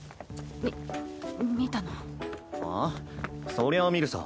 そりゃあ見るさ。